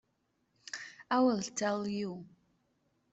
I will tell you.